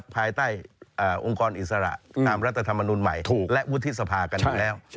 ภายใต้องค์กรอิสระตามรัฐธรรมนุนใหม่และวุฒิสภากันอยู่แล้ว